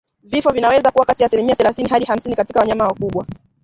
Vifo vinaweza kuwa kati ya asilimia thelathini hadi hamsini katika wanyama wakubwa